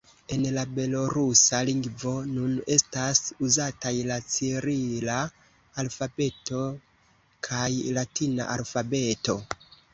En la belorusa lingvo nun estas uzataj la cirila alfabeto kaj latina alfabeto.